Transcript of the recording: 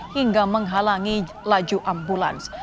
hingga menghalangi laju ambulans